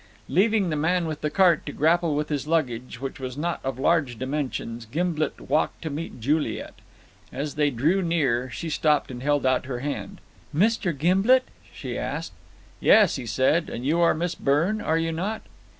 Leaving the man with the cart to grapple with his luggage, which was not of large dimensions, Gimblet walked to meet Juliet. As they drew near, she stopped and held out her hand. "Mr. Gimblet?" she asked. "Yes," he said; "and you are Miss Byrne, are you not?"